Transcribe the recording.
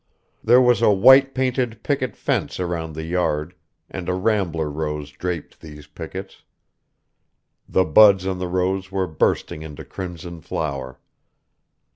There was a white painted picket fence around the yard; and a rambler rose draped these pickets. The buds on the rose were bursting into crimson flower.